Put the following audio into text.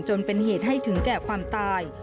จนเป็นเหตุให้ถึงแก่ความตาย